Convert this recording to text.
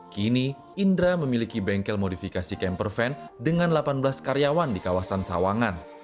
kini indra memiliki bengkel modifikasi camper van dengan delapan belas karyawan di kawasan sawangan